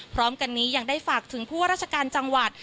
พร้อมกันนี้ยังได้ฝากถึงผู้ว่าราชการจังหวัด